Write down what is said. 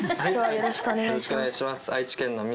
よろしくお願いします。